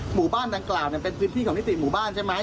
หมู่บ้านดังกล่าวเป็นพื้นที่ของนิติหมู่บ้านใช่ไหม